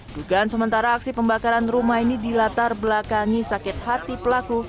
dugaan sementara aksi pembakaran rumah ini dilatar belakangi sakit hati pelaku